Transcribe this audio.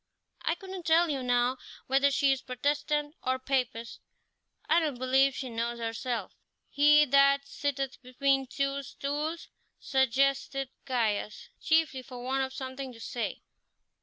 I couldn't tell you, now, whether she is Protestant or Papist; I don't believe she knows herself." "He that sitteth between two stools " suggested Caius, chiefly for want of something to say.